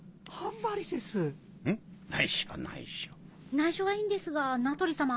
内緒はいいんですがナトリ様。